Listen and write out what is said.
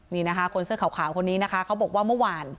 นี่นะคะคนเสื้อขาวคนนี้นะคะเขาบอกว่าเมื่อวาน